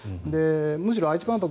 むしろ愛知万博